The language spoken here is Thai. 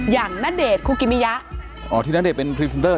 อย่างณเดชน์คุกิมิยะคุณณเดชน์เป็นพรีเซนเตอร์